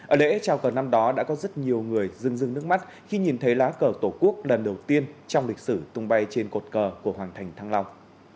ở lễ chào cờ năm đó đã có rất nhiều người dân dưng nước mắt khi nhìn thấy lá cờ tổ quốc lần đầu tiên trong lịch sử tung bay trên cột cờ của hoàng thành thăng long